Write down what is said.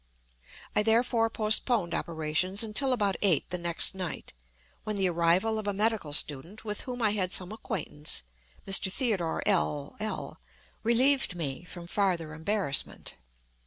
I therefore postponed operations until about eight the next night, when the arrival of a medical student with whom I had some acquaintance, (Mr. Theodore L—l,) relieved me from farther embarrassment.